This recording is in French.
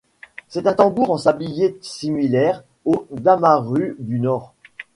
C'est un tambour en sablier similaire au damaru du Nord.